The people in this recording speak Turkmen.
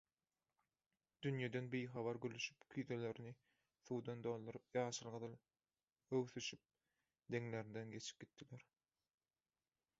Dünýeden bihabar gülüşip, küýzelerini suwdan dolduryp, ýaşyl-gyzyl öwsüşip deňlerinden geçip gitdiler.